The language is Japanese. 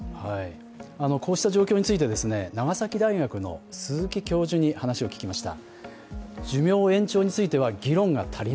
こうしたことについて、長崎大学の鈴木教授に話を聞きました。